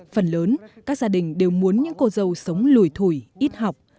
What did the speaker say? phần lớn các gia đình đều muốn những cô dâu sống lùi thủi ít học